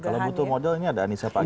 kalau butuh model ini ada anissa pagi